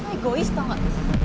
egois tau gak